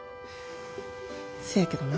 せやけどな